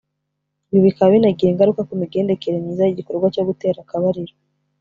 ibi bikaba binagira ingaruka ku migendekere myiza y’igikorwa cyo gutera akabariro